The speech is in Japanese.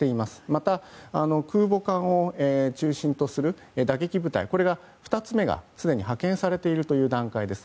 また、空母艦を中心とする打撃部隊、２つ目がすでに派遣されている段階です。